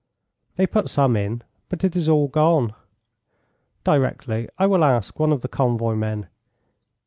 "They put some in, but it is all gone." "Directly, I will ask one of the convoy men.